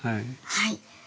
はい。